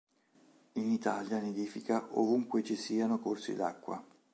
In Italia nidifica ovunque ci siano corsi d'acqua.